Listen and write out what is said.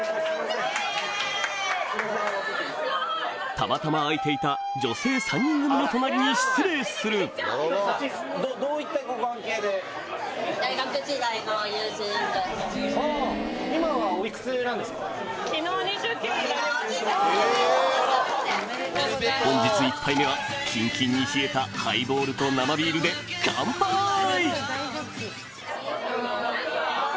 たまたま空いていた女性３人組の隣に失礼する本日１杯目はキンキンに冷えたハイボールと生ビールでカンパイ！